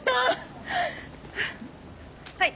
はい。